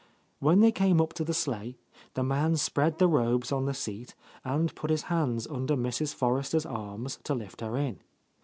When they came up to the sleigh, the man spread the robes on the seat and put his hands under Mrs. Forrester's arms to lift her in.